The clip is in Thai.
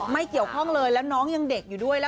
ไม่เกี่ยวข้องเลยแล้วน้องยังเด็กอยู่ด้วย